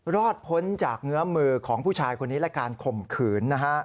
รอดพ้นจากเงื้อมือของผู้ชายคนนี้และการข่มขืนนะฮะ